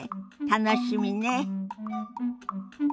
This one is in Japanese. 楽しみね。